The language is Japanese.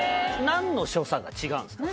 何の所作が違うんですか？